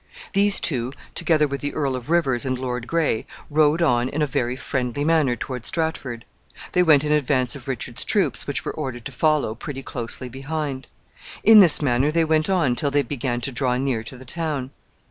These two, together with the Earl of Rivers and Lord Gray, rode on in a very friendly manner toward Stratford. They went in advance of Richard's troops, which were ordered to follow pretty closely behind. In this manner they went on till they began to draw near to the town.